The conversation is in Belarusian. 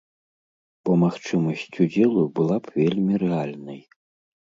Бо магчымасць удзелу была б вельмі рэальнай.